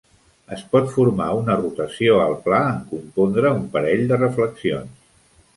Es pot formar una rotació al pla en compondre un parell de reflexions.